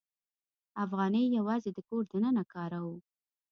افغانۍ یوازې د کور دننه کاروو.